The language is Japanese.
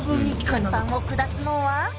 審判を下すのは。